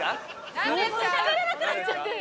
しゃべれなくなっちゃってる！